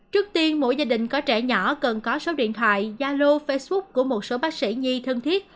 trước tiên mỗi gia đình có trẻ nhỏ cần có số điện thoại gia lô facebook của một số bác sĩ nhi thân thiết